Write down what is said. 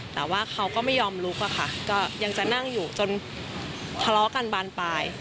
แต่ว่าเขาก็ไม่ยอมลุกอะค่ะก็ยังจะนั่งอยู่จนทะเลาะกันบานปลาย